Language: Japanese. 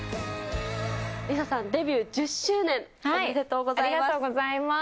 リサさん、デビュー１０周年、おめでとうございます。